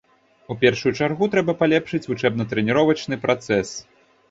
У першую чаргу, трэба палепшыць вучэбна-трэніровачны працэс.